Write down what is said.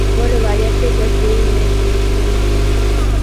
وہ روایت کے تسلسل میں سوچتے ہیں۔